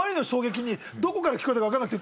どこから聞こえたか分かんなくて。